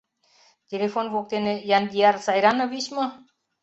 — Телефон воктене Яндиар Сайранович мо?